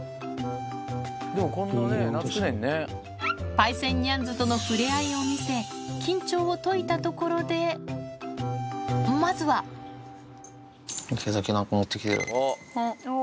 パイセンニャンズとの触れ合いを見せ緊張を解いたところでまずは池崎何か持ってきてる。